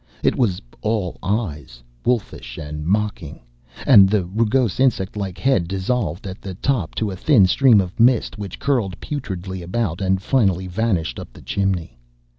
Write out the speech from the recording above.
It was all eyes wolfish and mocking and the rugose insect like head dissolved at the top to a thin stream of mist which curled putridly about and finally vanished up the chimney.